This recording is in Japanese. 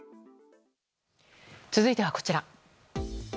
続いては、こちら。